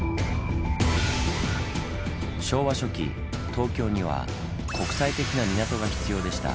昭和初期東京には国際的な港が必要でした。